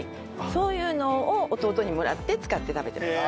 そういうのを弟にもらって使って食べてます。